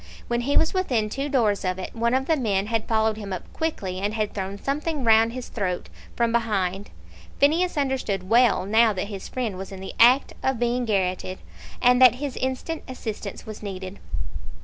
When he was within two doors of it, one of the men had followed him up quickly, and had thrown something round his throat from behind him. Phineas understood well now that his friend was in the act of being garrotted, and that his instant assistance was needed.